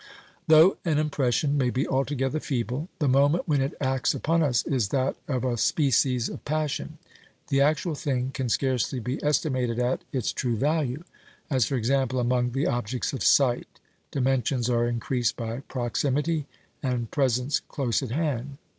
Though an impres sion may be altogether feeble, the moment when it acts upon us is that of a species of passion ; the actual thing can scarcely be estimated at its true value, as, for example, among the objects of sight, dimensions are increased by proximity and presence close at hand.